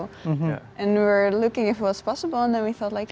dan kami mencari jika itu bisa dan kami pikir ya kenapa tidak